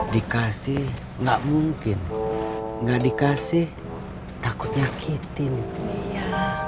dikasih enggak mungkin enggak dikasih takut nyakitin iya